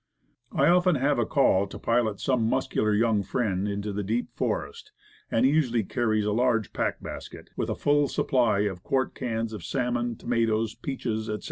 I often have a call to pilot some muscular young friend into the deep forest, and he usually carries a large pack basket, with a full supply of quart cans of salmon, tomatoes, peaches, etc.